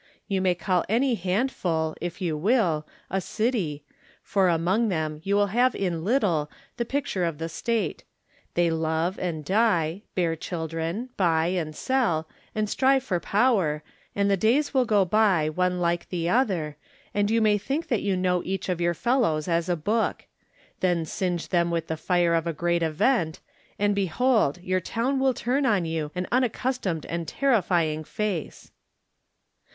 You may call any handful, if you will, a city, for among them you will have in little the picture of Digitized by Google THE NINTH MAN the state: they love and die, bear children, buy and sell, and strive for power, and the days will go by one like the other and you may think that you know each of your fellows as a book; then singe them with the fire of a great event and, behold, your town will turn on you an unaccustomed and terrifying face.